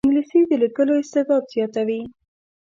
انګلیسي د لیکلو استعداد زیاتوي